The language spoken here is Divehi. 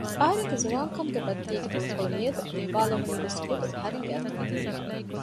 އަހަރެންގެ ޒުވާންކަމުގެ ބައްތީގެ ހުޅުކޮޅު މިއަދު ނިއްވާލެވުނީވެސް ހުދު އަހަރެންގެ ދެއަތުން